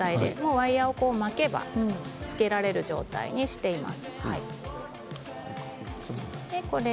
ワイヤーを巻けばつけられる状態にしています。